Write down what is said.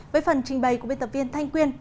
với phần trình bày của biên tập viên thanh quyên